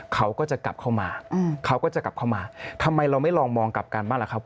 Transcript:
เขาก็จะกลับเข้ามาเขาก็จะกลับเข้ามาทำไมเราไม่ลองมองกลับกันบ้างล่ะครับ